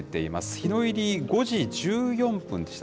日の入り５時１４分でした。